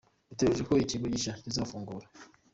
Biteganyijwe ko ikigo gishya kizafungura.